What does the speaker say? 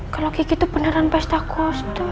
kalau kiki itu beneran pesta kos